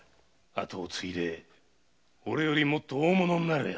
跡を継いでおれよりもっと大物になれよ浮太郎。